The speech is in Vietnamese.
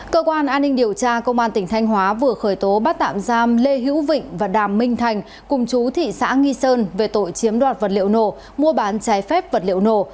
cơ quan an ninh điều tra công an tỉnh thanh hóa vừa khởi tố bắt tạm giam lê hữu vịnh và đàm minh thành cùng chú thị xã nghi sơn về tội chiếm đoạt vật liệu nổ mua bán trái phép vật liệu nổ